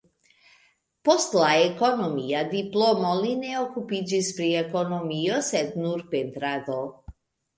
Post la ekonomia diplomo li ne okupiĝis pri ekonomio, sed nur pentrado.